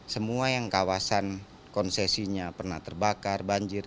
semua yang kawasan konsesinya pernah terbakar banjir